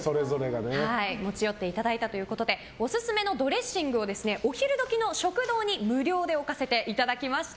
持ち寄っていただいたということでオススメのドレッシングをお昼時の食堂に無料で置かせていただきました。